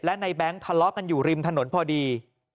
และในแบงค์ทะเลาะกันอยู่ริมถนนพอดี